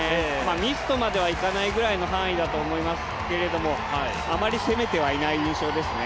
ミスとまではいかないぐらいの範囲だと思いますけれどもあまり攻めてはいない印象ですね。